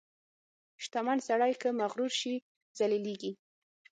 • شتمن سړی که مغرور شي، ذلیلېږي.